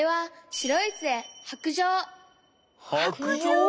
白杖？